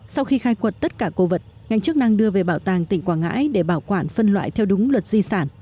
sau khi khai quật tất cả cổ vật ngành chức năng đưa về bảo tàng tỉnh quảng ngãi để bảo quản phân loại theo đúng luật di sản